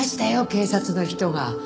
警察の人が。